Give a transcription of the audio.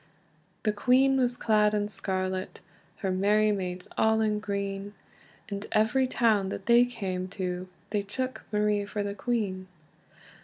The queen was clad in scarlet, Her merry maids all in green; And every town that they cam to, They took Marie for the queen.